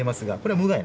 はい。